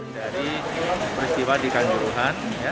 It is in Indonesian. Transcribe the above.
dari peristiwa di kanjuruhan